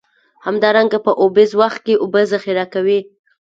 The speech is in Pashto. همدارنګه په اوبیز وخت کې اوبه ذخیره کوي.